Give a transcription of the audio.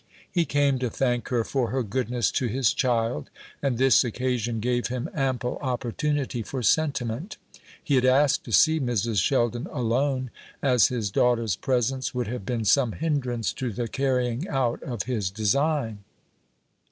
He came to thank her for her goodness to his child, and this occasion gave him ample opportunity for sentiment. He had asked to see Mrs. Sheldon alone, as his daughter's presence would have been some hindrance to the carrying out of his design.